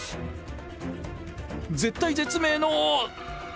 絶体絶命の。